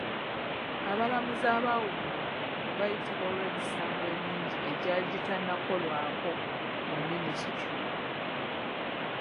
Abalamuzi abaawummula baayitibwa olw'emisango emingi egyali teginnakolwako mu minisitule.